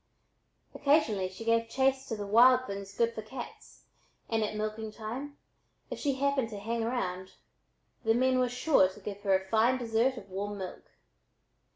Occasionally she gave chase to the wild things good for cats, and at milking time, if she happened to "hang round," the men were sure to give her a fine dessert of warm milk.